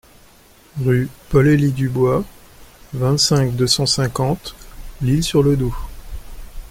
Rue Paul Elie Dubois, vingt-cinq, deux cent cinquante L'Isle-sur-le-Doubs